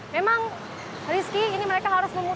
memang rizky ini mereka harus memulai